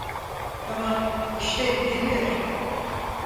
Tamam, işte geliyor.